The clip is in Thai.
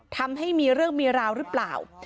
ทำให้มีเรื่องมีราวหรือเปล่า